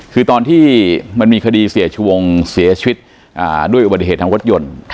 คือตอนที่มันมีคดีเสียชูวงเสียชีวิตด้วยอุบัติเหตุทางรถยนต์